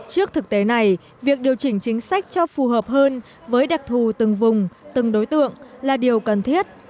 trước thực tế này việc điều chỉnh chính sách cho phù hợp hơn với đặc thù từng vùng từng đối tượng là điều cần thiết